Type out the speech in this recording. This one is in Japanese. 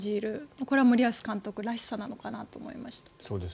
これは森保監督らしさなのかなと思いました。